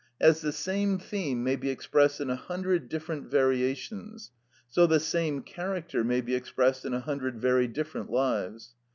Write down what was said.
As the same theme may be expressed in a hundred different variations, so the same character may be expressed in a hundred very different lives.